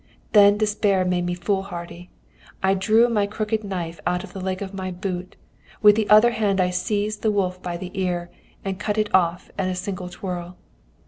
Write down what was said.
Then despair made me foolhardy. I drew my crooked knife out of the leg of my boot, with the other hand I seized the wolf by the ear, and cut it off at a single twirl.